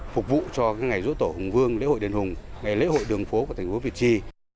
phục vụ cho ngày dỗ tổ hùng vương lễ hội đền hùng ngày lễ hội đường phố của thành phố việt trì